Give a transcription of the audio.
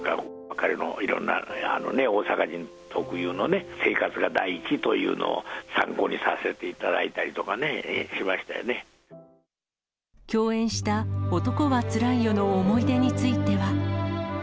彼のいろんな大阪人特有の生活が第一というのを参考にさせていた共演した男はつらいよの思い出については。